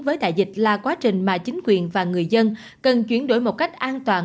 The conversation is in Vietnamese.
với đại dịch là quá trình mà chính quyền và người dân cần chuyển đổi một cách an toàn